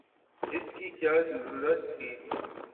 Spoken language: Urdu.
اس کی کیا ضرورت تھی؟